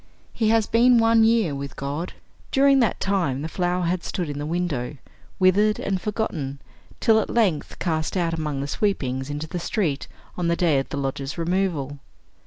He has been one year with God. During that time the flower has stood in the window, withered and forgotten, till at length cast out among the sweepings into the street, on the day of the lodgers' removal.